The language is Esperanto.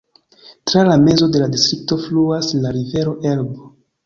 Tra la mezo de la distrikto fluas la rivero Elbo.